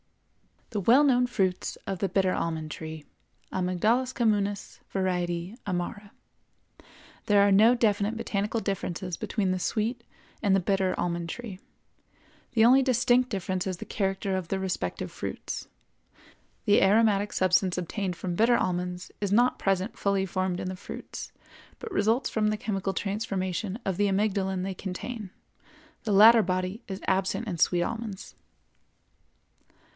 The well known fruits of the bitter almond tree (Amygdalus communis, var. amara). There are no definite botanical differences between the sweet and the bitter almond tree. The only distinct difference is the character of the respective fruits. The aromatic substance obtained from bitter almonds is not present fully formed in the fruits, but results from the chemical transformation of the amygdalin they contain; the latter body is absent in sweet almonds.